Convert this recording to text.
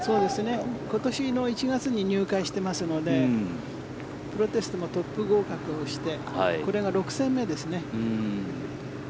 今年の１月に入会してますのでプロテストもトップ合格してこれが６戦目ですね。